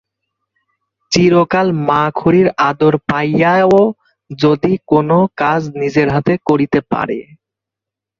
চিরকাল মা-খুড়ির আদর পাইয়া ও যদি কোনো কাজ নিজের হাতে করিতে পারে।